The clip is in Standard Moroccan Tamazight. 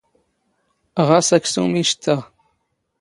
ⵖⴰⵙ ⴰⴽⵙⵓⵎ ⵉ ⵛⵜⵜⴰⵖ.